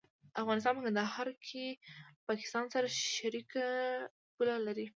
افغانستان په کندهار ولايت کې له پاکستان سره شریکه پوله لري.